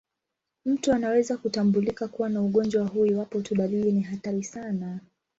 Mtu anaweza kutambulika kuwa na ugonjwa huu iwapo tu dalili ni hatari sana.